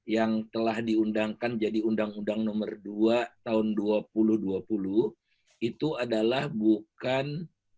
yang telah diundangkan jadi undang undang nomor dua tahun dua ribu dua puluh itu adalah bukan